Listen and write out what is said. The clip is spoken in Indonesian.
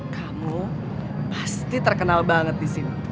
kamu pasti terkenal banget disini